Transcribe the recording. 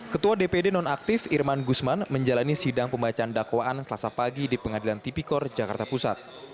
ketua dpd nonaktif irman gusman menjalani sidang pembacaan dakwaan selasa pagi di pengadilan tipikor jakarta pusat